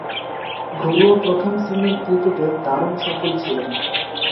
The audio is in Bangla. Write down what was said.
ঘরোয়া প্রথম-শ্রেণীর ক্রিকেটে দারুণ সফল ছিলেন।